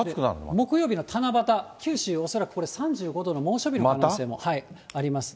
木曜日の七夕、九州恐らくこれ、３５度の猛暑日の可能性もあります。